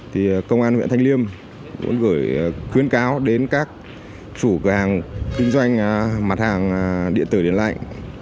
thì công an huyện thanh liêm cũng gửi khuyến cáo đến các chủ cửa hàng kinh doanh mặt hàng điện tử điện lạnh